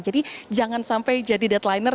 jadi jangan sampai jadi deadliner